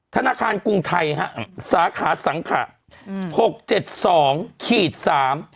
ธนาคารกรุงไทยฮะสาขาสังขะอืมหกเจ็ดสองขีดสาม